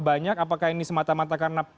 banyak apakah ini semata mata karena